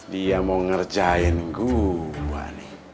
dia mau ngerjain gue nih